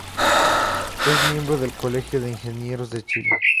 Es miembro del Colegio de Ingenieros de Chile.